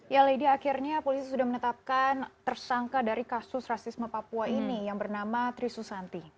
ya lady akhirnya polisi sudah menetapkan tersangka dari kasus rasisme papua ini yang bernama trisusanti